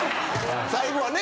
最後はね